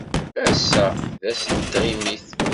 Ass-a d ass n tɣimit.